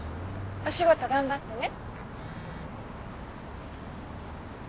お仕事頑張ってね。